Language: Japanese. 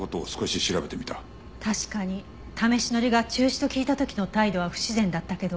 確かに試し乗りが中止と聞いた時の態度は不自然だったけど。